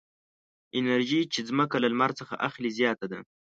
انرژي چې ځمکه له لمر څخه اخلي زیاته ده.